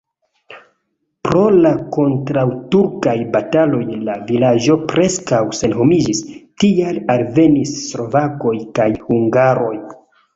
Pro la kontraŭturkaj bataloj la vilaĝo preskaŭ senhomiĝis, tial alvenis slovakoj kaj hungaroj.